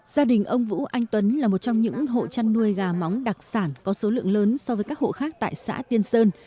gia đình ông vũ anh tuấn là một trong những hộ chăn nuôi gà móng đặc sản có số lượng lớn so với các hộ khác tại xã tiên sơn